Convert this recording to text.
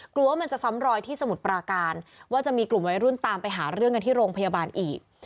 กลัวว่ามันจะซ้ำรอยที่สมุทรปราการว่าจะมีกลุ่มวัยรุ่นตามไปหาเรื่องกันที่โรงพยาบาลอีก